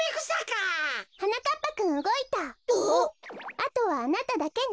あとはあなただけね。